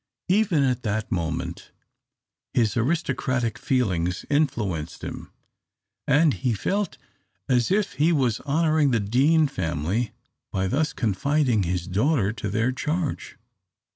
Even at that moment his aristocratic feelings influenced him, and he felt as if he was honouring the Deane family by thus confiding his daughter to their charge.